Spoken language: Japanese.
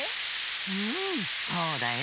うんそうだよ。